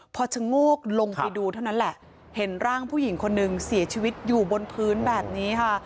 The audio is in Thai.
พอชะโงกลงไปดูเท่านั้นแหละเห็นร่างผู้หญิงคนหนึ่งเสียชีวิตอยู่บนพื้นแบบนี้ค่ะ